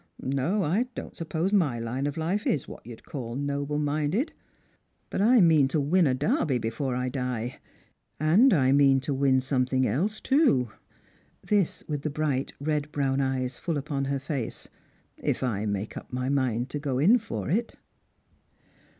No, I don't suppose my line of life is what you'd call noble minded ; but I mean to win a Derby before I die; and I mean to win something else too" — this with the bright, red brown eyes full upon her face —" if I make up my mind to go in for it."